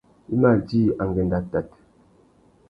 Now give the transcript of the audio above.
I mà djï angüêndô atát.